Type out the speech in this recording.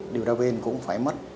điều tra viên cũng phải mất